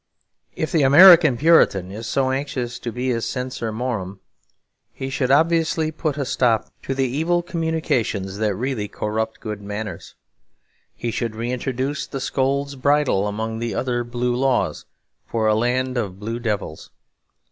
If the American Puritan is so anxious to be a censor morum, he should obviously put a stop to the evil communications that really corrupt good manners. He should reintroduce the Scold's Bridle among the other Blue Laws for a land of blue devils.